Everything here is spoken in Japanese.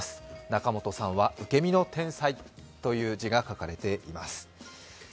「仲本さんは受け身の天才」という字が書かれています。